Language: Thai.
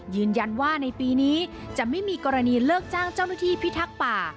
ยืนยันว่าในปีนี้จะไม่มีกรณีเลิกจ้างเจ้าหน้าที่พิทักษ์ป่า